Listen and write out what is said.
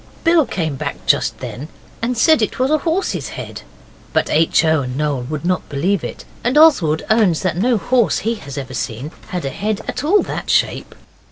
Bill came back just then and said it was a horse's head, but H. O. and Noel would not believe it, and Oswald owns that no horse he has ever seen had a head at all that shape.